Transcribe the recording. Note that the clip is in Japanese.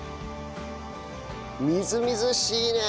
みずみずしいね。